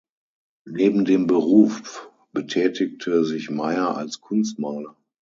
Neben dem Beruf betätigte sich Meyer als Kunstmaler.